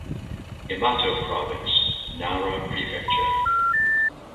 Yamato Province (Nara Prefecture).